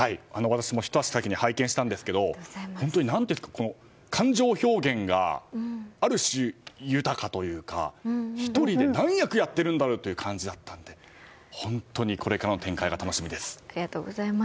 私もひと足先に拝見したんですけども本当に感情表現がある種、豊かというか１人で何役やってるんだろうって感じだったので本当にこれからの展開が楽しみです。